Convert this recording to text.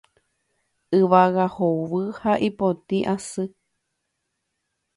Yvága hovy ha ipotĩ asy.